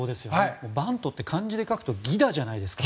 バントって感じで書くと犠打じゃないですか。